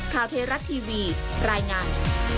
ข่าวเทราะห์ทีวีรายงาน